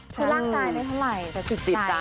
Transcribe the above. จะร่างกายได้เท่าไหร่จะติดใจ